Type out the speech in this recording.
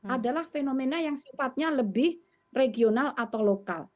adalah fenomena yang sifatnya lebih regional atau lokal